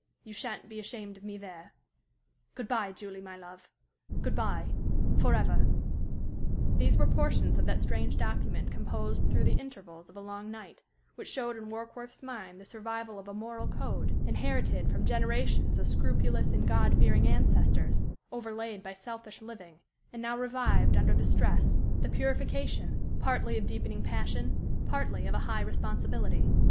You sha'n't be ashamed of me there. "Good bye, Julie, my love good bye forever!" These were portions of that strange document composed through the intervals of a long night, which showed in Warkworth's mind the survival of a moral code, inherited from generations of scrupulous and God fearing ancestors, overlaid by selfish living, and now revived under the stress, the purification partly of deepening passion, partly of a high responsibility.